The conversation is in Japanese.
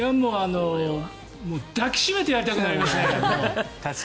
抱き締めてやりたくなりますね。